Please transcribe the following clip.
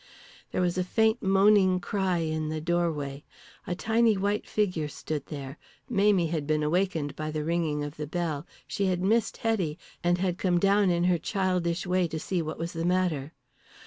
There was a faint moaning cry in the doorway, a tiny white figure stood there. Mamie had been awakened by the ringing of the bell, she had missed Hetty, and had come down in her childish way to see what was the matter.